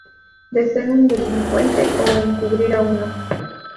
de ser un delincuente o de encubrir a uno